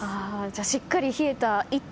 しっかり冷えた「イット！」